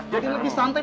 jadi lebih santai